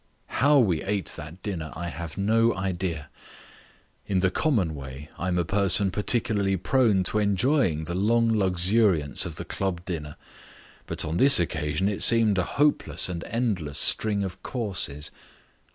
How we ate that dinner I have no idea. In the common way I am a person particularly prone to enjoy the long luxuriance of the club dinner. But on this occasion it seemed a hopeless and endless string of courses.